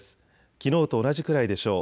きのうと同じくらいでしょう。